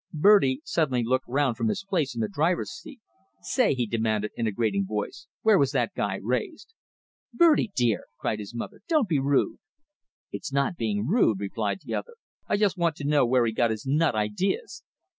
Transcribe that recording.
Bertie suddenly looked round from his place in the driver's seat. "Say," he demanded, in a grating voice, "where was that guy raised?" "Bertie dear!" cried his mother. "Don't be rude!" "I'm not being rude," replied the other. "I just want to know where he got his nut ideas."